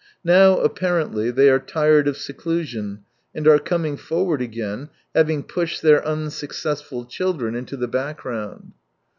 Now, apparently, they are tired of seclusion and are coming forward again, having pushed their unsuccessful children into the 176 background.